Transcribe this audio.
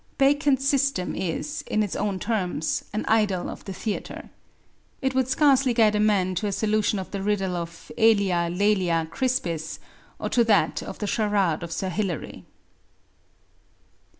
Bacon's system is, in its own terms, an idol of the theatre. It would scarcely guide a man to a solution of the riddle of Ælia Lælia Crispis, or to that of the charade of Sir Hilary.